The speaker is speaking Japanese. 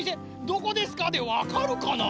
どこですかでわかるかな？